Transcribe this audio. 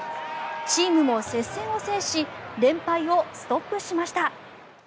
チームも接戦を制し連敗をストップしました。